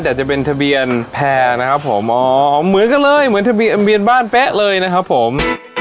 แต่จะเป็นทะเบียนแพร่นะครับผมอ๋อเหมือนกันเลยเหมือนทะเบียนบ้านเป๊ะเลยนะครับผม